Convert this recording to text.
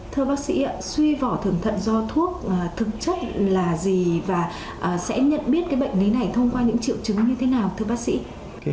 thưa bác sĩ suy vỏ thượng thận do thuốc thực chất là gì và sẽ nhận biết bệnh lý này thông qua những triệu chứng như thế nào